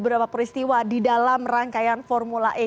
beberapa peristiwa di dalam rangkaian formula e